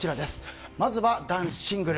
まず男子シングル。